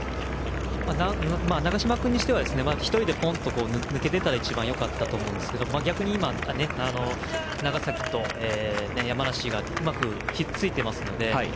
長嶋君にしては１人でポンと抜け出たら一番よかったと思うんですが逆に今、長崎と山梨がうまく引っ付いているので。